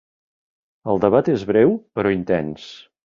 El debat és breu, però intens.